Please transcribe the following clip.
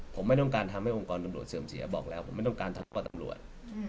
ผมไม่ต้องการทำให้องค์กรตำรวจเสื่อมเสียบอกแล้วผมไม่ต้องการทำโทษตำรวจ